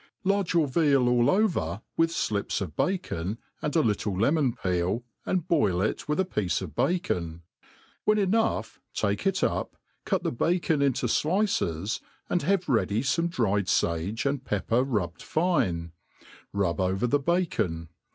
LARp your veal all over with flips of bacons ai^l a little lemon peel, and boil it with a piece of bacon : when enougb| fake it up, cut the bacon into flices, and have ready (ome dried fage and pepper rubbed fipe ; fub over the bacon.